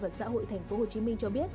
và xã hội tp hcm cho biết